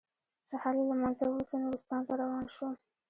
سهار له لمانځه وروسته نورستان ته روان شوم.